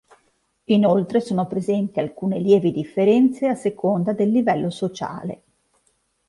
Inoltre sono presenti alcune lievi differenze a seconda del livello sociale.